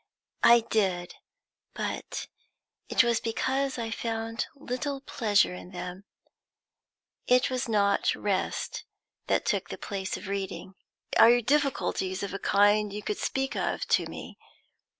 "I did, but it was because I found little pleasure in them. It was not rest that took the place of reading." "Are your difficulties of a kind you could speak of to me?"